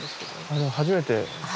初めて。